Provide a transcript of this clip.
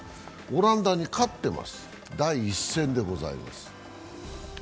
オランダに勝っています、第１戦でございます。